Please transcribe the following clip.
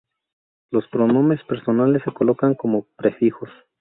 Los pronombres personales se colocan como prefijos.